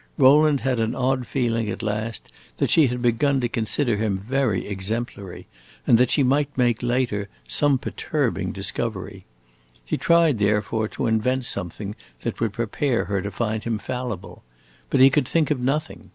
Rowland had an odd feeling at last that she had begun to consider him very exemplary, and that she might make, later, some perturbing discovery. He tried, therefore, to invent something that would prepare her to find him fallible. But he could think of nothing.